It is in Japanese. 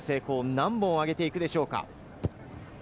何本上げていくでしょうか？